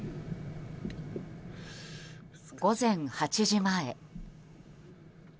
午前８時前。